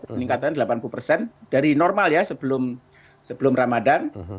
peningkatan delapan puluh persen dari normal ya sebelum ramadan